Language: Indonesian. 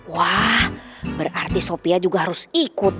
wah berarti sopia juga harus ikut